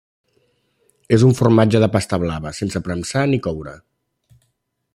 És un formatge de pasta blava, sense premsar ni coure.